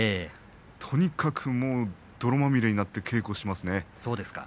とにかく、もう泥まみれになって稽古しますね。